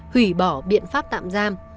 hủy bỏ biện pháp tạm giam